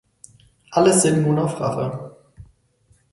Alle sinnen nun auf Rache.